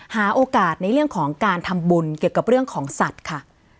หาโอกาสในเรื่องของการทำบุญเกี่ยวกับเรื่องของสัตว์ค่ะ